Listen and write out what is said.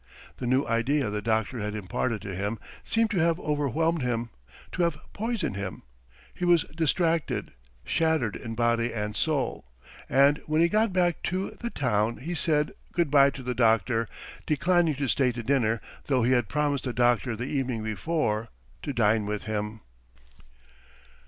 The new idea the doctor had imparted to him seemed to have overwhelmed him, to have poisoned him; he was distracted, shattered in body and soul, and when he got back to the town he said good bye to the doctor, declining to stay to dinner though he had promised the doctor the evening before to dine with him.